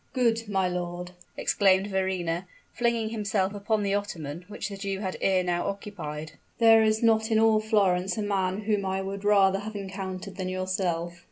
"Good, my lord!" exclaimed Verrina, flinging himself upon the ottoman which the Jew had ere now occupied; "there is not in all Florence a man whom I would rather have encountered than yourself."